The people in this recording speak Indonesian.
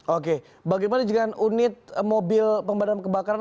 oke bagaimana dengan unit mobil pemadam kebakaran